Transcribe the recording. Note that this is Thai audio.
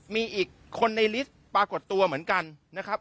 มีอีกคนในลิสต์ปรากฏตัวเหมือนกันนะครับ